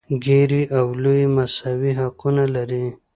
ګېري او لويي مساوي حقونه لري.